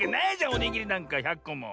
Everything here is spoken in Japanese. おにぎりなんか１００こも。